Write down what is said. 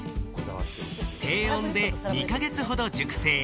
低温で２か月ほど熟成。